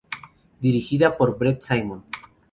Dirigida por Brett Simon.